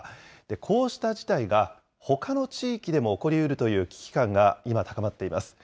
こうした事態がほかの地域でも起こりうるという危機感が今高まっています。